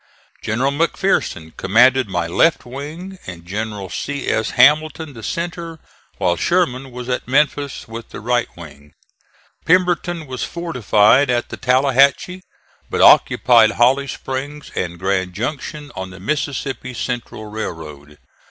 General McPherson commanded my left wing and General C. S. Hamilton the centre, while Sherman was at Memphis with the right wing. Pemberton was fortified at the Tallahatchie, but occupied Holly Springs and Grand Junction on the Mississippi Central railroad.